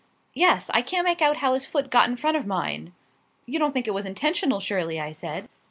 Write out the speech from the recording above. "Yes; I can't make out how his foot got in front of mine." "You don't think it was intentional, surely?" I said.